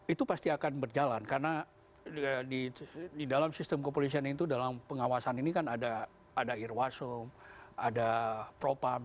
itu pasti akan berjalan karena di dalam sistem kepolisian itu dalam pengawasan ini kan ada irwasum ada propam